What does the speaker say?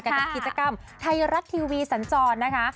กับกิจกรรมไทยรัฐทีวีสันจรนะคะ